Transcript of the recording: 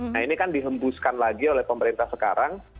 nah ini kan dihembuskan lagi oleh pemerintah sekarang